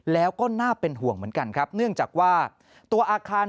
แล้วก็น่าเป็นห่วงเหมือนกันครับเนื่องจากว่าตัวอาคาร